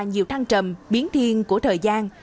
nhiều thăng trầm biến thiên của thời gian